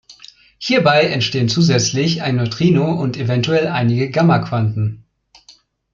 Hierbei entstehen zusätzlich ein Neutrino und eventuell einige Gamma-Quanten.